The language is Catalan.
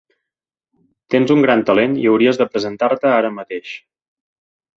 Tens un gran talent i hauries de presentar-te ara mateix.